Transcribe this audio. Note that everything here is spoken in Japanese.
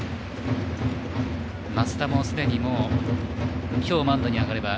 益田もすでにきょうマウンドに上がれば